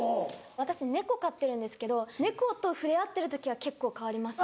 私猫飼ってるんですけど猫と触れ合ってる時は結構変わりますね。